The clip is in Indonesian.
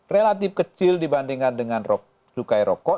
relatif kecil dibandingkan dengan lukai rokok